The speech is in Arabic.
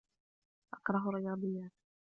أكره الرياضيات.